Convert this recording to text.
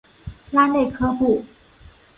拉内科布。